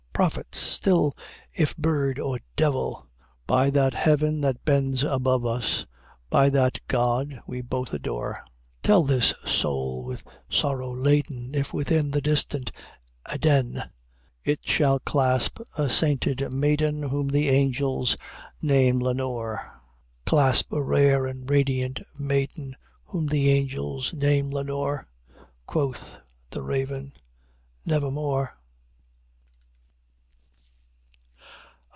prophet still if bird or devil! By that heaven that bends above us by that God we both adore, Tell this soul with sorrow laden, if within the distant Aidenn, It shall clasp a sainted maiden whom the angels name Lenore Clasp a rare and radiant maiden whom the angels name Lenore.' Quoth the raven 'Nevermore.'"